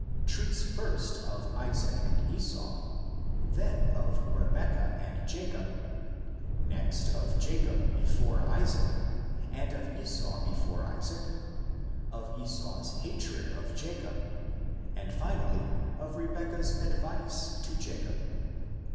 treats first of Isaac and Esau, then of Rebeccah and Jacob, next of Jacob before Isaac, and of Esau before Isaac, of Esau's hatred of Jacob, and finally of Rebeccah' s advice to Jacob.